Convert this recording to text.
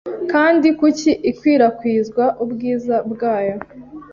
Kandi kuki ikwirakwiza ubwiza bwayo